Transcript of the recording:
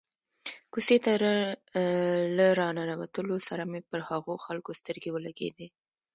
کوڅې ته له را ننوتلو سره مې پر هغو خلکو سترګې ولګېدې.